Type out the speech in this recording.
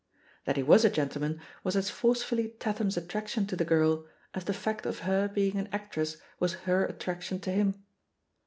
That he was a gentleman was as forcefully Tatham's attraction to the girl as the fact of her being an actress wais her attraction to him.